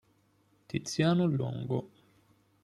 Tiziano Longo